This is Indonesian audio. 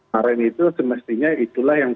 karena itu semestinya itulah yang